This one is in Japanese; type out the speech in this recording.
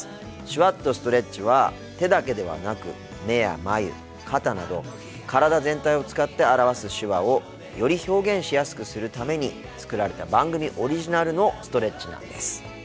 「手話っとストレッチ」は手だけではなく目や眉肩など体全体を使って表す手話をより表現しやすくするために作られた番組オリジナルのストレッチなんです。